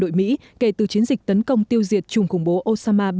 đội mỹ kể từ chiến dịch tấn công tiêu diệt chùm khủng bố